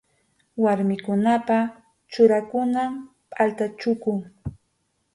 Warmikunapa churakunan pʼalta chuku.